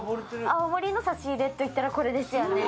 青森の差し入れといったらこれですよね。